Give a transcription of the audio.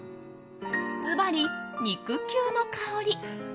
ずばり、肉球の香り。